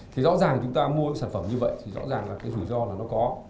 thì rõ ràng chúng ta mua sản phẩm như vậy thì rõ ràng là cái rủi ro là nó có